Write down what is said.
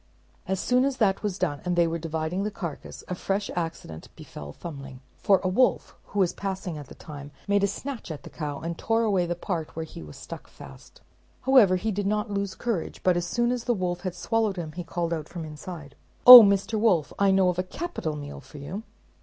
As soon as that was done, and they were dividing the carcass, a fresh accident befell Thumbling, for a wolf, who was passing at the time, made a snatch at the cow, and tore away the part where he was stuck fast. However, he did not lose courage, but as soon as the wolf had swallowed him, he called out from inside, "Oh, Mr. Wolf, I know of a capital meal for you."